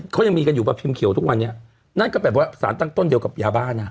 เขายังมีกันอยู่แบบพิมพ์เขียวทุกวันนี้นั่นก็แบบว่าสารตั้งต้นเดียวกับยาบ้านอ่ะ